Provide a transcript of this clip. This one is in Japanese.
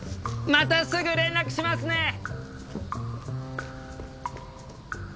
またすぐ連絡しますね！